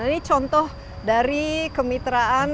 ini contoh dari kemitraan